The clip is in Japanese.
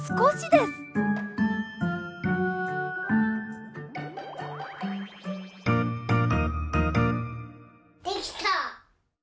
できた！